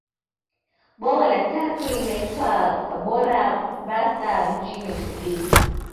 Bwawa la tatu linaitwa Kabora basa nchini Msumbiji